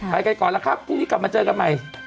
ไปกันก่อนแล้วครับพรุ่งนี้กลับมาเจอกันใหม่